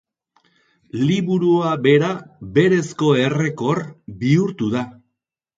Liburua bera berezko errekor bihurtu da.